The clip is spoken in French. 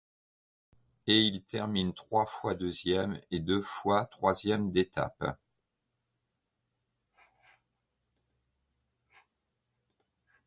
Et il termine trois fois deuxième et deux fois troisième d'étapes.